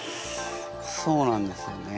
そうなんですよね